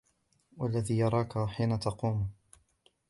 الَّذِي يَرَاكَ حِينَ تَقُومُ